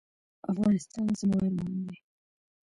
افغانستان زما ارمان دی